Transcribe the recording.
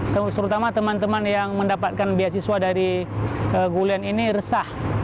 terutama teman teman yang mendapatkan beasiswa dari gulen ini resah